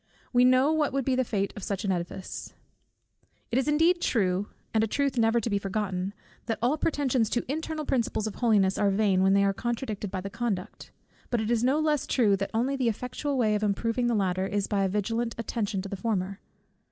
We know what would be the fate of such an edifice. It is indeed true, and a truth never to be forgotten, that all pretensions to internal principles of holiness are vain when they are contradicted by the conduct; but it is no less true, that the only effectual way of improving the latter, is by a vigilant attention to the former.